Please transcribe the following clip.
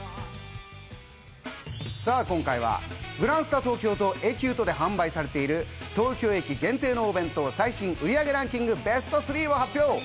今回はグランスタ東京とエキュートで販売されている東京駅限定のお弁当、最新売り上げランキングを発表！